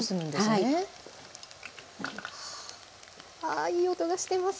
ああいい音がしています。